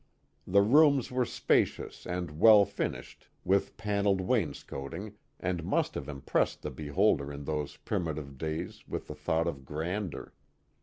The rooms were spacious and well finished, with panelled wainscoting, and must have impressed the beholder in those primitive days with the thought of grandeur.